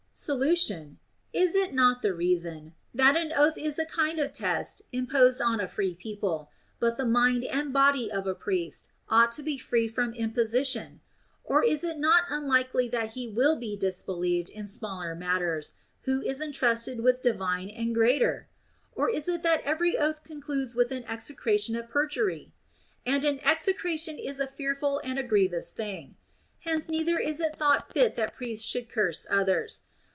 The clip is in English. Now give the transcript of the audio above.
Solution. Is it not the reason, that an oath is a kind of test imposed on a free people, but the body and mind of a priest ought to be free from imposition I Or is it not un likely that he will be disbelieved in smaller matters, who is 230 THE ROMAN QUESTIONS. entrusted with divine and greater ? Or is it that every oath concludes with an execration of perjury? And an execration is a fearful and a grievous thing. Hence neither is it thought fit that priests should curse others.